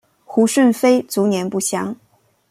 胡顺妃卒年不详。